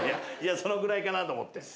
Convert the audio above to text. そのぐらいかなと思って。